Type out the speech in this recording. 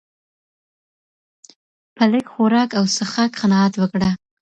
په لږ خوراک او څښاک قناعت وکړه.